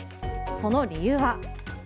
その理由は。